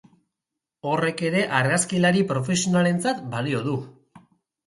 Horrek ere argazkilari profesionalentzat balio du.